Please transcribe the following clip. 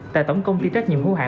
tại tổng công ty trách nhiệm hữu hạn